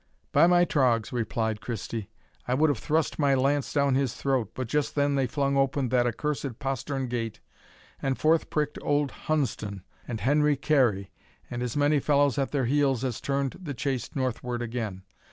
"By my troggs," replied Christie, "I would have thrust my lance down his throat, but just then they flung open that accursed postern gate, and forth pricked old Hunsdon, and Henry Carey, and as many fellows at their heels as turned the chase northward again.